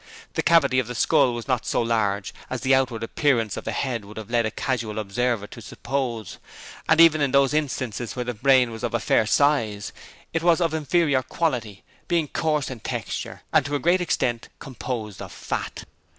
The cavity of the skull was not so large as the outward appearance of the head would have led a casual observer to suppose, and even in those instances where the brain was of a fair size, it was of inferior quality, being coarse in texture and to a great extent composed of fat.